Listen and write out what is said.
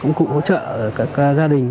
công cụ hỗ trợ của các gia đình